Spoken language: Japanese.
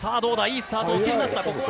いいスタートを切りました。